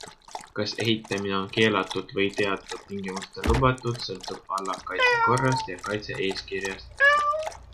Kas ehitamine on keelatud või teatud tingimustel lubatud, sõltub ala kaitsekorrast ja kaitse-eeskirjast.